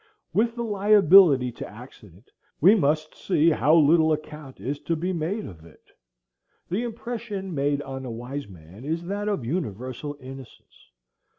With the liability to accident, we must see how little account is to be made of it. The impression made on a wise man is that of universal innocence.